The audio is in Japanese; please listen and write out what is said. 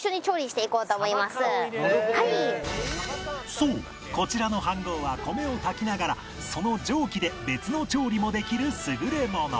そうこちらの飯ごうは米を炊きながらその蒸気で別の調理もできる優れもの